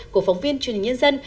của phóng viên truyền hình nhân dân